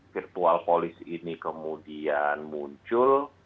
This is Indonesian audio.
virtual police ini kemudian muncul